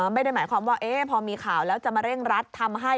ไม่ได้หมายความว่าพอมีข่าวแล้วจะมาเร่งรัดทำให้